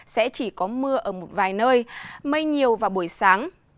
sẽ chỉ có mưa ở một vài nơi mây nhiều vào buổi sáng